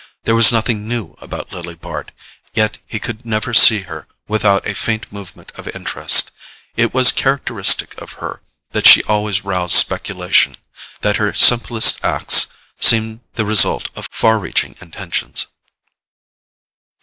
There was nothing new about Lily Bart, yet he could never see her without a faint movement of interest: it was characteristic of her that she always roused speculation, that her simplest acts seemed the result of far reaching intentions.